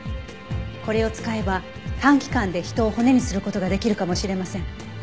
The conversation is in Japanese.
これを使えば短期間で人を骨にする事ができるかもしれません。